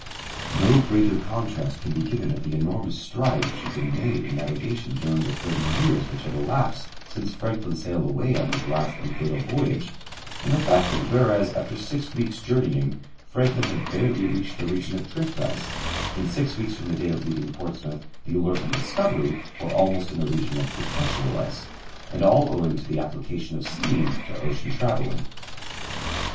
No greater contrast can be given of the enormous strides which had been made in navigation during the thirty years which had elapsed since Franklin sailed away on his last and fatal voyage, than the fact that whereas after six weeks' journeying Franklin had barely reached the region of drift ice, in six weeks from the date of leaving Portsmouth the Alert and Discovery were almost in the region of perpetual ice. And all owing to the application of steam to ocean travelling.